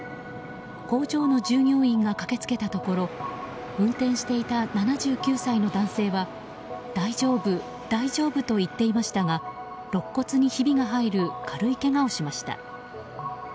工場の従業員が駆け付けたところ運転していた７９歳の男性は大丈夫、大丈夫と言っていましたがろっ骨にひびが入る軽いけがをしました。